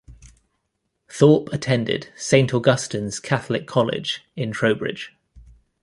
Thorp attended Saint Augustine's Catholic College in Trowbridge.